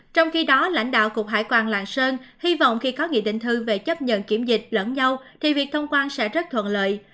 trong khi đó lãnh đạo cục hải quan lạng sơn hy vọng khi có nghị định thư về chấp nhận kiểm dịch lẫn nhau thì việc thông quan sẽ rất thuận lợi